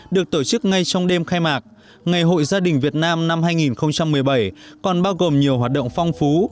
được tổ chức ngay trong đêm khai mạc ngày hội gia đình việt nam năm hai nghìn một mươi bảy còn bao gồm nhiều hoạt động phong phú